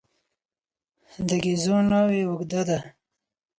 د ګېزو ناوې اوږده ده.